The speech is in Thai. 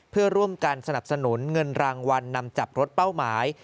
เพื่อร่วมกันสนับสนุนเงินรางวัลนำจับรถเป้าหมาย